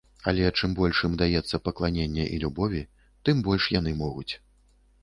Але чым больш ім даецца пакланення і любові, тым больш яны могуць.